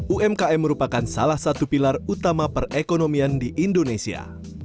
umkm merupakan salah satu pilar utama perekonomian di indonesia